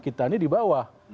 kita ini di bawah